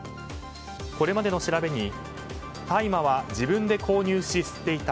これまでの調べに大麻は自分で購入し吸っていた。